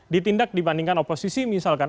ditindak dibandingkan oposisi misalkan